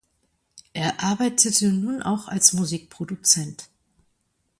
Er arbeitete nun auch als Musikproduzent.